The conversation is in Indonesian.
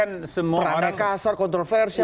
peranai kasar kontroversi